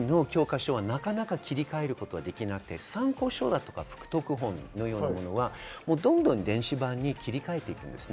それをメインの教科書はなかなか切り替えることはできなくて参考書とか福徳本のようなものにはどんどん電子版に切り替えていくんです。